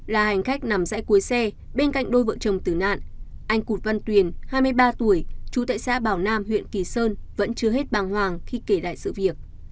là hành khách nằm dãy cuối xe bên cạnh đôi vợ chồng tử nạn anh cụt văn tuyền hai mươi ba tuổi trú tại xã bảo nam huyện kỳ sơn vẫn chưa hết bàng hoàng khi kể lại sự việc